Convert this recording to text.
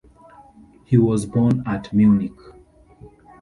He was born at Munich.